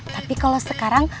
tapi kalau sekarang